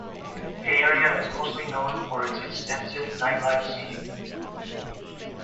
The area is mostly known for its extensive nightlife scene.